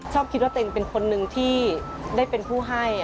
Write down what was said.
ชอบคิดว่าตัวเองเป็นคนหนึ่งที่ได้เป็นผู้ให้